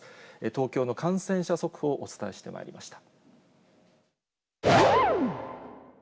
東京の感染者速報、お伝えしてまいりました。